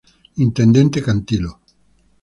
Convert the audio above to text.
Intendente Cantilo.